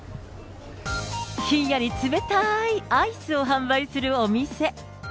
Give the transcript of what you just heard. ひんやりつめたーいアイスを販売するお店。